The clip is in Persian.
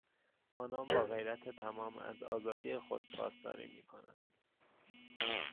آنان با غیرت تمام از آزادی خود پاسداری میکنند.